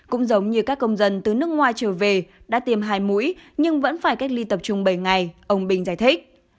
cũng giống như các công dân từ nước ngoài trở về đã tiêm hai mũi nhưng vẫn phải cách ly tập trung bảy ngày ông bình giải thích